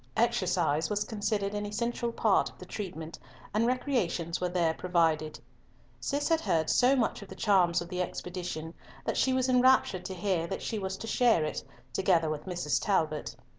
Exercise was considered an essential part of the treatment, and recreations were there provided. Cis had heard so much of the charms of the expedition, that she was enraptured to hear that she was to share it, together with Mrs. Talbot.